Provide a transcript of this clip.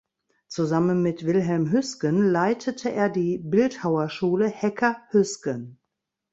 Zusammen mit Wilhelm Hüsgen leitete er die "Bildhauerschule Hecker-Hüsgen".